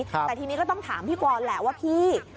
แต่ทีนี้ก็ต้องถามพี่กรแหละว่าพี่